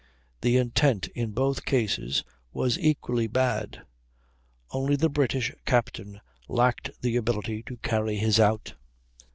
The intent in both cases was equally bad, only the British captain lacked the ability to carry his out.